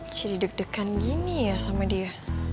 ciri deg degan gini ya sama dia